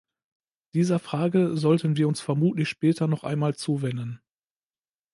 Dieser Frage sollten wir uns vermutlich später noch einmal zuwenden.